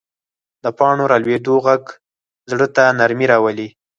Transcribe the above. د پاڼو رالوېدو غږ زړه ته نرمي راولي